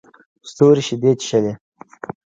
ستورو شیدې چښلې